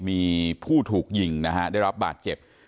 มีผู้ถูกยิงนะฮะได้รับบาดเจ็บ